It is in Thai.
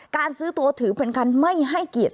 การซื้อตัวถือเป็นการไม่ให้เกียรติ